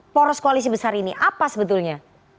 poros koalisi besar ini apa sebetulnya